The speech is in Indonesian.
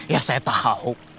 ya saya tau